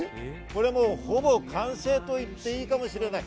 ほぼ完成と言っていいかもしれない。